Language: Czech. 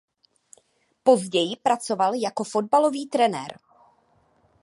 Později pracoval jako fotbalový trenér.